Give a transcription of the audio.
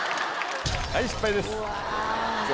はい失敗です。